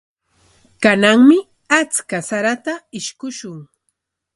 Kananmi achka sarata ishkushun.